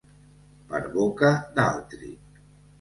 Per boca d'altri.